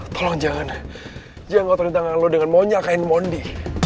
tolong jangan jangan ngototin tangan lo dengan monyak kain mondi